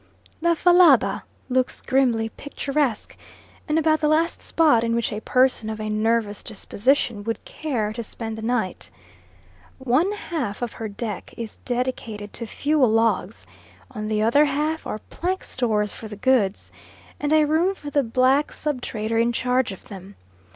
The Fallaba looks grimly picturesque, and about the last spot in which a person of a nervous disposition would care to spend the night. One half of her deck is dedicated to fuel logs, on the other half are plank stores for the goods, and a room for the black sub trader in charge of them.